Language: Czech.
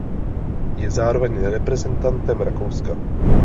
Je zároveň reprezentantem Rakouska.